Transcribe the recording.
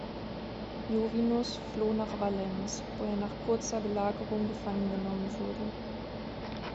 Jovinus floh nach Valence, wo er nach kurzer Belagerung gefangen genommen wurde.